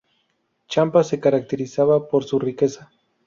Champa se caracterizaba por su riqueza.